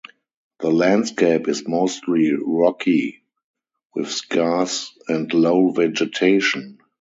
The landscape is mostly rocky, with scarce and low vegetation.